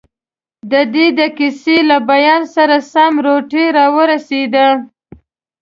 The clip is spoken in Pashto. دده د کیسې له بیان سره سم، روټۍ راورسېده.